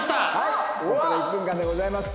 ここから１分間でございます。